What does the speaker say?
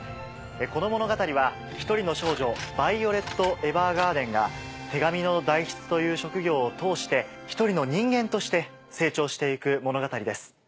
この物語は１人の少女ヴァイオレット・エヴァーガーデンが手紙の代筆という職業を通して１人の人間として成長して行く物語です。